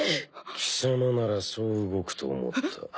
貴様ならそう動くと思った。